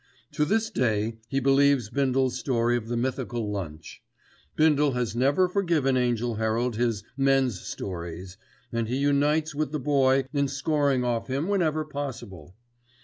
To this day he believes Bindle's story of the mythical lunch. Bindle has never forgiven Angell Herald his "men's stories," and he unites with the Boy in scoring off him whenever possible.